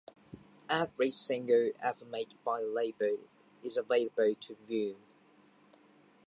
Every single ever made by the label is available to view.